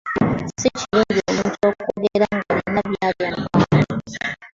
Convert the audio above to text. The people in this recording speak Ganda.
Si kirungi omuntu okwogera ng’alina byalya mu kamwa.